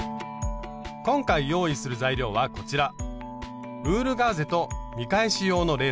今回用意する材料はこちら。